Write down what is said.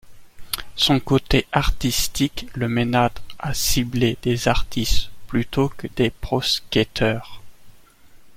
Son côté artistique le mena à cibler des artistes plutôt que des pro-skateurs.